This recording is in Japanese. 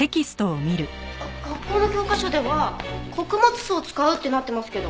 学校の教科書では「穀物酢を使う」ってなってますけど。